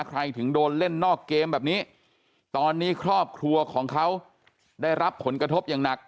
ถึงโดนเล่นนอกเกมแบบนี้ตอนนี้ครอบครัวของเขาได้รับผลกระทบอย่างหนัก